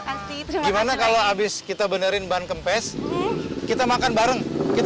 kasih gimana kalau habis kita benerin bahan kempes brian siang bareng gimana